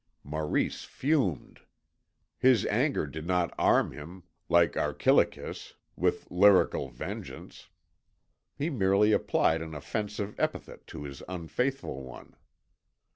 Maurice fumed. His anger did not arm him, like Archilochus, with lyrical vengeance. He merely applied an offensive epithet to his unfaithful one.